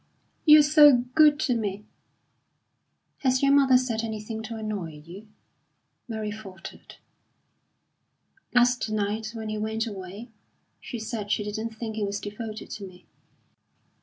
"You're so good to me!" "Has your mother said anything to annoy you?" Mary faltered. "Last night, when he went away, she said she didn't think he was devoted to me."